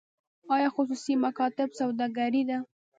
آیا خصوصي مکاتب سوداګري ده؟